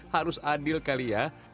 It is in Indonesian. harus adil kali ya